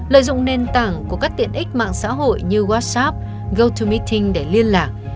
lợi dụng nền tảng của các tiện ích mạng xã hội như whatsapp goltomiting để liên lạc